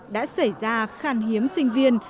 đã xảy ra khan hiếm sinh viên